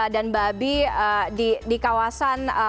dan babi di di kawasan